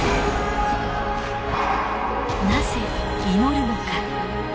なぜ祈るのか。